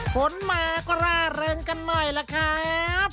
ฝนมาก็ร่าเริงกันหน่อยล่ะครับ